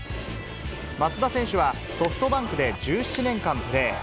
松田選手はソフトバンクで１７年間プレー。